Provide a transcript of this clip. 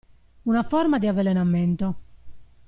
Una forma di avvelenamento.